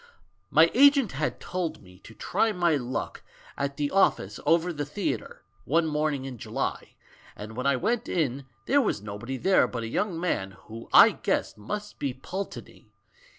"]\Iy agent had told me to try my luck at the office over the theatre, one morning in July, and when I went in, there was nobody there but a young man who I guessed must be Pulteney.